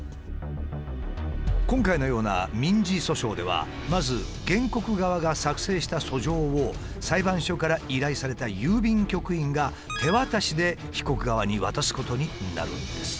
今回のような民事訴訟ではまず原告側が作成した訴状を裁判所から依頼された郵便局員が手渡しで被告側に渡すことになるんです。